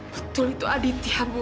betul itu aditya bu